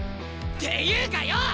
っていうかよぉ！